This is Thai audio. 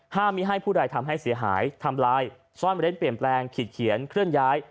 ไม่ให้ผู้ใดทำให้เสียหายทำลายซ่อนเร้นเปลี่ยนแปลงขีดเขียนเคลื่อนย้าย